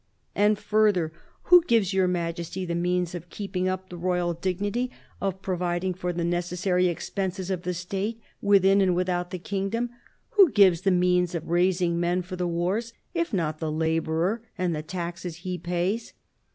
And further, who gives your Majesty the means of keep ing up the royal dignity, of providing for the necessary expenses of the State, within and without the kingdom ? who gives the means of raising men for the wars, if not the labourer and the taxes he pays